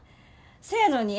そやのに。